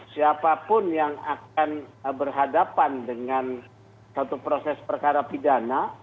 siapapun yang akan berhadapan dengan satu proses perkara pidana